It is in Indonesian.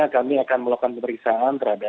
saya akan melakukan penyelidikan selanjutnya